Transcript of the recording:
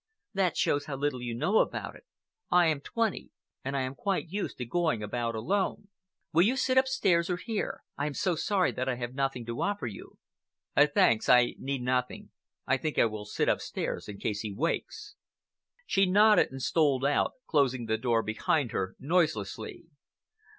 "That shows how little you know about it. I am twenty, and I am quite used to going about alone. Will you sit upstairs or here? I am so sorry that I have nothing to offer you." "Thanks, I need nothing. I think I will sit upstairs in case he wakes." She nodded and stole out, closing the door behind her noiselessly.